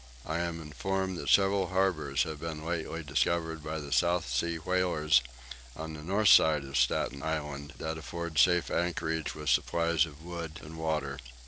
I am informed that several harbours have been lately discovered by the South Sea whalers on the north side of Staten Island that afford safe anchorage with supplies of wood and water.